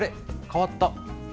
かわった。